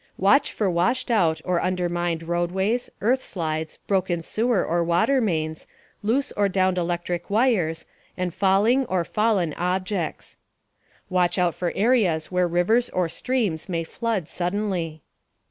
Watch for washed out or undermined roadways, earth slides, broken sewer or water mains, loose or downed electric wires, and falling or fallen objects. Watch out for areas where rivers or streams may flood suddenly.